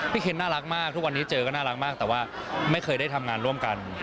พี่เค็นน่ารักมากทุกวันเตรียมจากไหนเราก็ไม่ได้ทำงานร่วมกัน